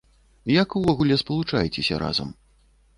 Як увогуле спалучаецеся разам?